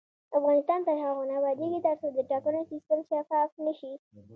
افغانستان تر هغو نه ابادیږي، ترڅو د ټاکنو سیستم شفاف نشي.